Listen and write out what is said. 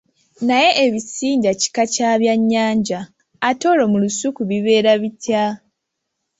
Naye ebisinja kika kya byannyanja, ate olwo mu lusuku bibeeramu bitya?